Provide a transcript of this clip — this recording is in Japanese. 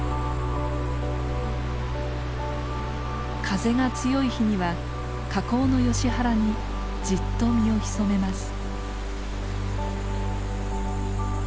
風が強い日には河口のヨシ原にじっと身を潜めます。